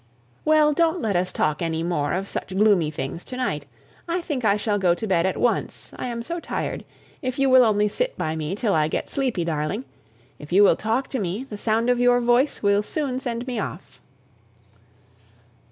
"Well, don't let us talk any more of such gloomy things, to night! I think I shall go to bed at once, I am so tired, if you will only sit by me till I get sleepy, darling. If you will talk to me, the sound of your voice will soon send me off."